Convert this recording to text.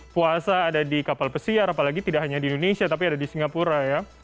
puasa ada di kapal pesiar apalagi tidak hanya di indonesia tapi ada di singapura ya